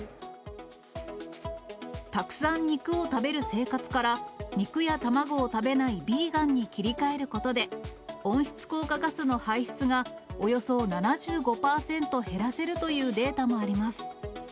たくさん肉を食べる生活から、肉や卵を食べないビーガンに切り替えることで、温室効果ガスの排出がおよそ７５％減らせるというデータもあります。